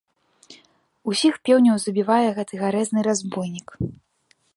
Усіх пеўняў забівае гэты гарэзны разбойнік.